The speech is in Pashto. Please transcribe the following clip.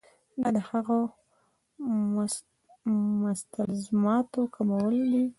دا د هغو مستلزماتو کمول دي.